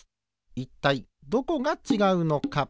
いったいどこがちがうのか。